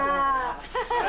ハハハ！